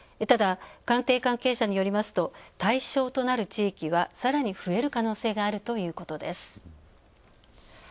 ただ、官邸関係者によりますと対象となる地域はさらに増える可能性があるということです。